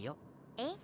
えっ？